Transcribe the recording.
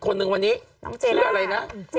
กล้องกว้างอย่างเดียว